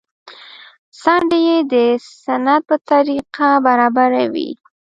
څنډې يې د سنت په طريقه برابرې وې.